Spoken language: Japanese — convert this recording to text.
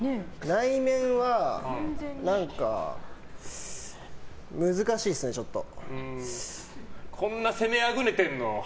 内面は、難しいっすねちょっと。